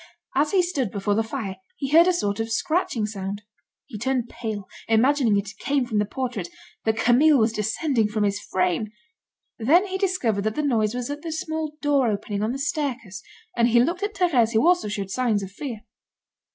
As he stood before the fire, he heard a sort of scratching sound. He turned pale, imagining it came from the portrait, that Camille was descending from his frame. Then he discovered that the noise was at the small door opening on the staircase, and he looked at Thérèse who also showed signs of fear.